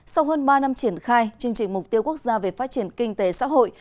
sau hơn ba năm triển khai chương trình mục tiêu quốc gia về phát triển kinh tế xã hội